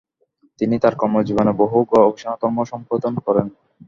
তিনি তাঁর কর্মজীবনের বহু গবেষণাকর্ম সম্পাদন করেন।